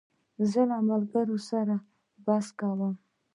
زه له ملګرو سره بحث کوم.